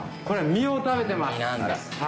これは実を食べてます。